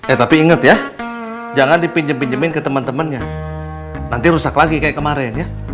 eh tapi ingat ya jangan dipinjem pinjemin ke teman temannya nanti rusak lagi kayak kemarin ya